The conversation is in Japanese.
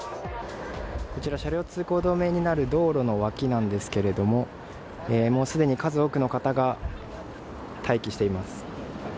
こちら車両通行止めになる道路の脇なんですけれどもすでに数多くの方が待機しています。